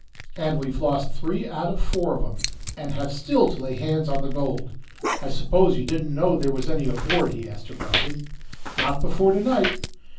And we've lost three out of four of 'em, and have still to lay hands on the gold! I suppose you didn't know there was any aboard?" he asked abruptly. "Not before to night."